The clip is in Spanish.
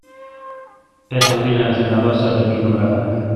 Es sobrina del senador Saturnino Braga.